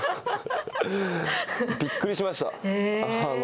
びっくりしました。